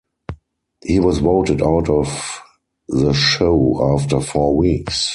He was voted out of the show after four weeks.